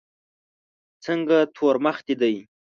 څنګه تور مخ دي دی.